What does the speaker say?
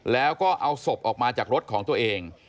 แล้วก็เอาศพออกมาจากรถของตัวเอง